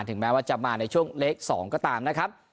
แม้ว่าจะมาในช่วงเลข๒ก็ตามนะครับ